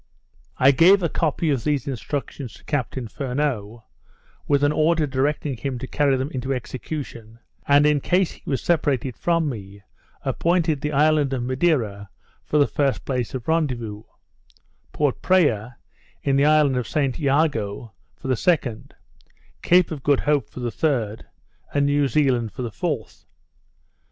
I gave a copy of these instructions to Captain Furneaux, with an order directing him to carry them into execution; and, in case he was separated from me, appointed the island of Madeira for the first place of rendezvous; Port Praya in the island of St Jago for the second; Cape of Good Hope for the third; and New Zealand for the fourth.